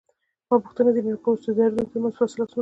ما پوښتنه ځنې وکړل: اوس د دردونو ترمنځ فاصله څومره ده؟